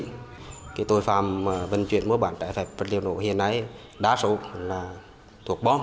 cái tôi phạm vận chuyển mua bán trái phép vật liều nổ hiện nay đa số là thuốc bom